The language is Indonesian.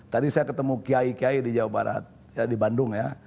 tadi saya ketemu kiai kiai di jawa barat di bandung ya